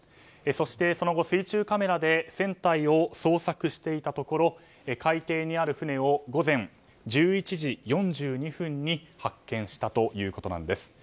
そしてその後、水中カメラで船体を捜索していたところ海底にある船を午前１１時４２分に発見したということです。